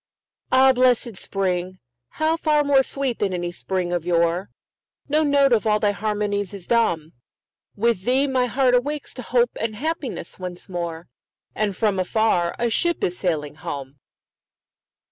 Ah, blessed spring!—how far more sweet than any spring of yore! No note of all thy harmonies is dumb; With thee my heart awakes to hope and happiness once more, And from afar a ship is sailing home!